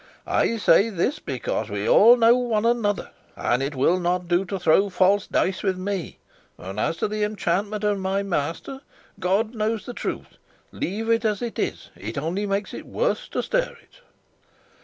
I say this because we all know one another, and it will not do to throw false dice with me; and as to the enchantment of my master, God knows the truth; leave it as it is; it only makes it worse to stir it."